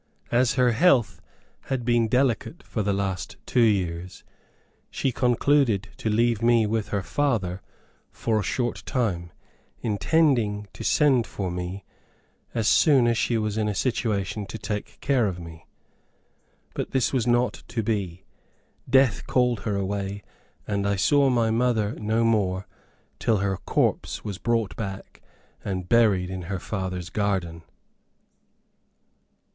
As her health had been delicate for the last two years, she concluded to leave me with her father for a short time, intending to send for me, as soon as she was in a situation to take care of me. But this was not to be. Death called her away, and I saw my mother no more till her corpse was brought back, and buried in her father's garden.